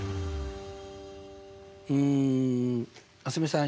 ん蒼澄さん